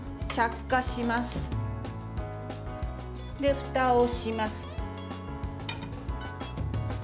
ふたをします。